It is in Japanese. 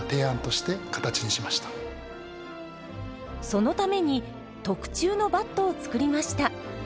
そのために特注のバットを作りました。